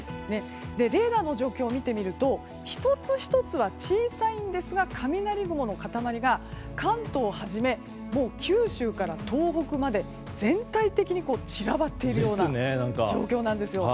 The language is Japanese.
レーダーの状況を見てみると１つ１つは小さいんですが雷雲の塊が関東をはじめもう九州から東北まで全体的に散らばっているような状況なんです。